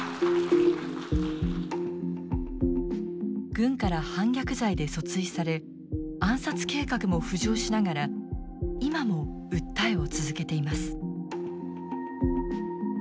軍から反逆罪で訴追され暗殺計画も浮上しながら今も訴えを続けています。